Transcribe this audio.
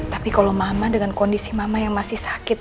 tapi kalau mama dengan kondisi mama yang masih sakit